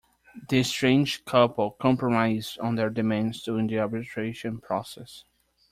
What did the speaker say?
The estranged couple compromised on their demands during the arbitration process.